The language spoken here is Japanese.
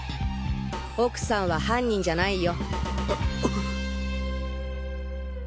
奥さんは犯人じゃないよ。